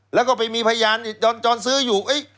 แล้วก็ไปมีพยานจอนซื้ออยู่